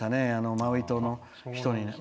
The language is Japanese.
マウイ島の人に。